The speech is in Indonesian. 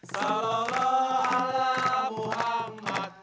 salam allah allah muhammad